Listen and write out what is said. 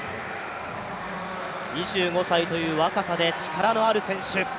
２５歳という若さで力のある選手。